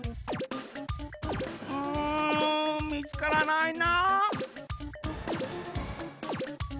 うんみつからないな。